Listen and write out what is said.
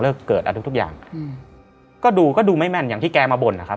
เกิดอะไรทุกทุกอย่างอืมก็ดูก็ดูไม่แม่นอย่างที่แกมาบ่นนะครับ